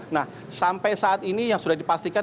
nah sampai saat ini yang sudah dipastikan